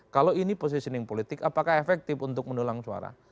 kalau ini positioning politik apakah efektif untuk mendulang suara